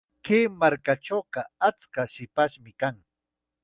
Kay markachawqa achka hipashmi kan.